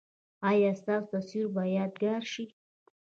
ایا ستاسو تصویر به یادګار شي؟